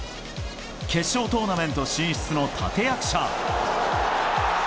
決勝トーナメント進出の立て役者。